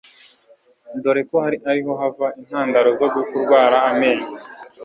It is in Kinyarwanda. dore ko ariho hava intandaro zo kurwara amenyo.